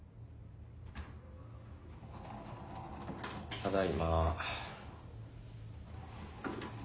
ただいま。